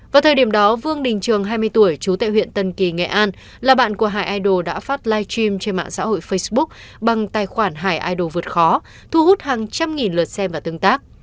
vào thời điểm đó vương đình trường hai mươi tuổi chú tệ huyện tân kỳ nghệ an là bạn của hải idol đã phát live stream trên mạng xã hội facebook bằng tài khoản hải idol vượt khó thu hút hàng trăm nghìn lượt xem và tương tác